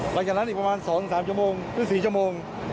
หลังจากนั้นอีกประมาณ๒๓ชั่วโมงหรือ๔ชั่วโมง